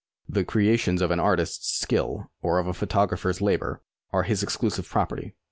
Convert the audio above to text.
The creations of an artist's skill or of a photographer's labour are his exclusive property.